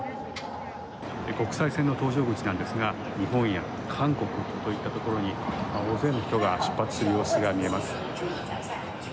国際線の搭乗口なんですが日本や韓国といったところに大勢の人が出発する様子が見えます。